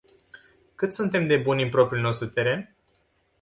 Cât suntem de buni în propriul nostru teren?